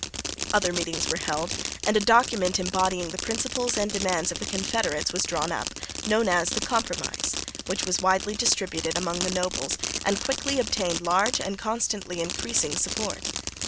Other meetings were held, and a document embodying the principles and demands of the Confederates was drawn up, known as the Compromise, which was widely distributed among the nobles and quickly obtained large and constantly increasing support.